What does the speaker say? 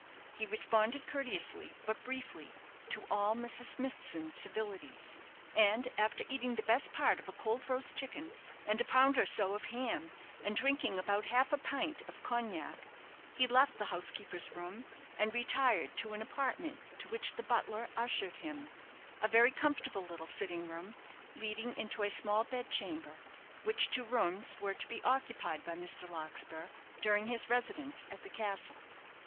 He responded courteously, but briefly, to all Mrs. Smithson's civilities; and after eating the best part of a cold roast chicken, and a pound or so of ham, and drinking about half a pint of cognac, he left the housekeeper's room, and retired to an apartment to which the butler ushered him a very comfortable little sitting room, leading into a small bedchamber, which two rooms were to be occupied by Mr. Larkspur during his residence at the castle.